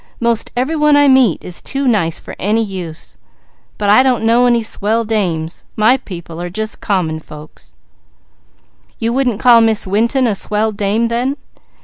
'Most every one I meet is too nice for any use; but I don't know any Swell Dames, my people are just common folks." "You wouldn't call Miss Winton a 'Swell Dame,' then?"